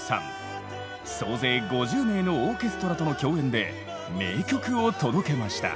総勢５０名のオーケストラとの共演で名曲を届けました。